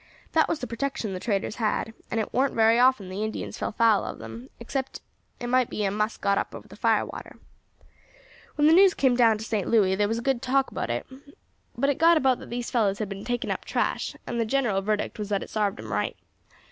That was the protection the traders had; and it warn't very often the Indians fell foul of them, except it might be a muss got up over the fire water. "When the news came down to St. Louis there was a good deal of talk about it; but it got about that these fellows had been taking up trash, and the general verdict was that it sarved 'em right.